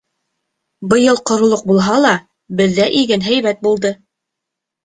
Быйыл ҡоролоҡ булһа ла, беҙҙә иген һәйбәт булды.